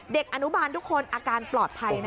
เด็กอนุบาลทุกคนอาการปลอดภัย